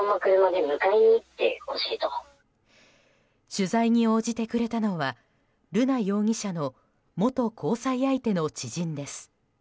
取材に応じてくれたのは瑠奈容疑者の元交際相手の知人です。